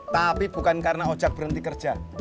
tapi bukan karena ojak berhenti kerja